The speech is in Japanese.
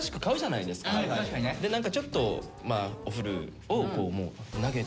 何かちょっとお古を投げて。